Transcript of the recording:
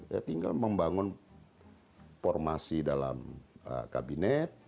ya tinggal membangun formasi dalam kabinet